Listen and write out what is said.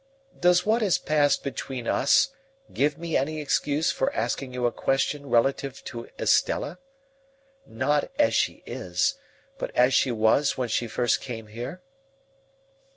Does what has passed between us give me any excuse for asking you a question relative to Estella? Not as she is, but as she was when she first came here?"